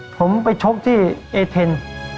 ผมไปชกที่เอเทน